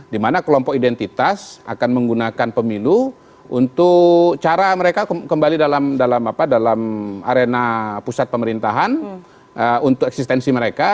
dimana kelompok identitas akan menggunakan pemilu untuk cara mereka kembali dalam arena pusat pemerintahan untuk eksistensi mereka